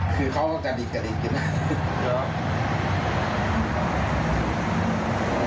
คือเขาก็กระดิกกระดิกขึ้นมา